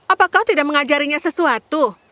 apa kau tidak mengajarinya sesuatu